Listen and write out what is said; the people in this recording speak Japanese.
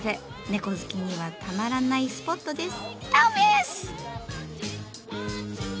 猫好きにはたまらないスポットです。